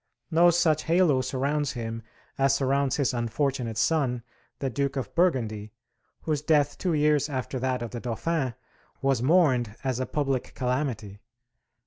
No such halo surrounds him as surrounds his unfortunate son, the Duke of Burgundy, whose death two years after that of the Dauphin was mourned as a public calamity.